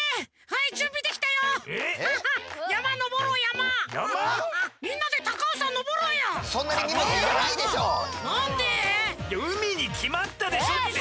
いや海にきまったでしょって！